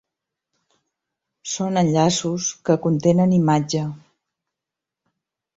Són enllaços que contenen imatge.